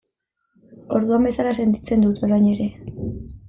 Orduan bezala sentitzen dut orain ere.